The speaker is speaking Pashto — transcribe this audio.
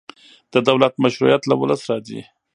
د دولت مشروعیت له ولس راځي